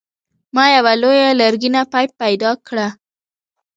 ما یوه لویه لرګینه پیپ پیدا کړه.